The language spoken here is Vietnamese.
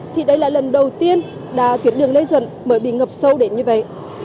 thì đây là lần đầu tiên đã tuyển đường lê duẩn mới bị ngập sâu đến như vậy